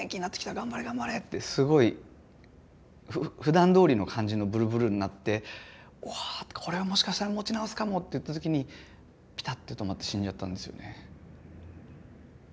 頑張れ頑張れ！」ってすごい。ふだんどおりの感じのブルブルになって「うわこれはもしかしたら持ち直すかも！」って言った時にピタッて止まって死んじゃったんですよね。